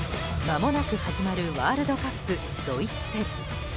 まもなく始まるワールドカップ、ドイツ戦。